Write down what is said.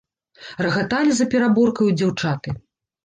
Рагаталі за пераборкаю дзяўчаты.